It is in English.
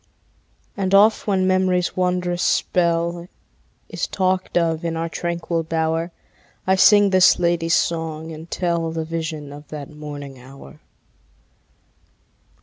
And oft when memory's wondrous spell Is talked of in our tranquil bower, I sing this lady's song, and tell The vision of that morning hour.